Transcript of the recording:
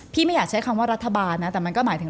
ไม่อยากใช้คำว่ารัฐบาลนะแต่มันก็หมายถึง